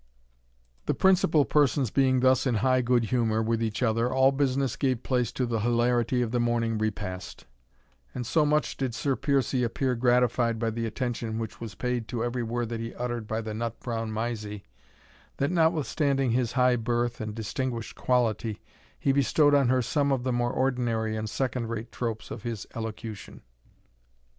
The principal persons being thus in high good humour with each other, all business gave place to the hilarity of the morning repast; and so much did Sir Piercie appear gratified by the attention which was paid to every word that he uttered by the nut brown Mysie, that, notwithstanding his high birth and distinguished quality, he bestowed on her some of the more ordinary and second rate tropes of his elocution.